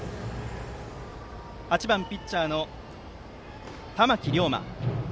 ８番、ピッチャーの玉木稜真。